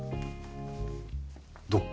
どう？